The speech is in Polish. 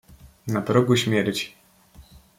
"Na progu śmierci."